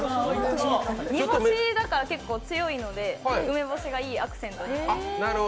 煮干し結構強いので梅干しがいいアクセントになります。